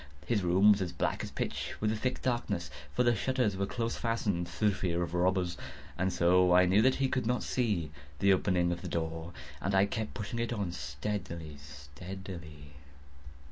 His room was as black as pitch with the thick darkness, (for the shutters were close fastened, through fear of robbers,) and so I knew that he could not see the opening of the door, and I kept pushing it on steadily, steadily.